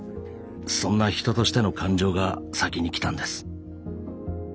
そんな人としての感情が先に来たんです。